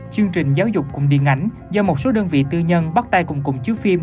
chương trình giáo dục cùng điện ảnh do một số đơn vị tư nhân bắt tay cùng chiếu phim